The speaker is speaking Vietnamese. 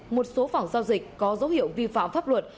một số phòng giao dịch có dấu hiệu vi phạm pháp luật